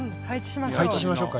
配置しましょう。